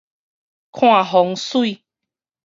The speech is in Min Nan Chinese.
看風水